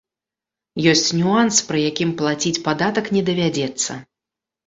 Ёсць нюанс, пры якім плаціць падатак не давядзецца.